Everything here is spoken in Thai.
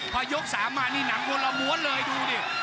พอนี่ยกมานี่นับตัวละมัวเลยดูดิ